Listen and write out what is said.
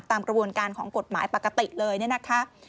ตามกระบวนการของกฎหมายปกติเลยเนี่ยนะคะ